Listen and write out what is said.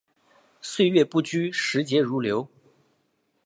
岁月不居，时节如流。